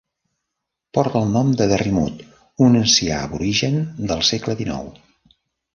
Porta el nom de Derrimut, un ancià aborigen del segle XIX.